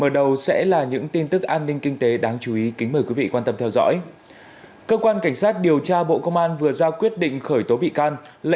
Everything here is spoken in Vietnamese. các bạn hãy đăng ký kênh để ủng hộ kênh của chúng mình nhé